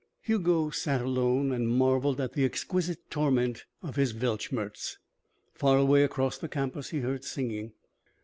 IX Hugo sat alone and marvelled at the exquisite torment of his Weltschmertz. Far away, across the campus, he heard singing.